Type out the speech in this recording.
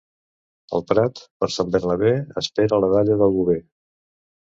El prat, per Sant Bernabé, espera la dalla del bover.